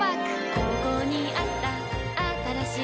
ここにあったあったらしい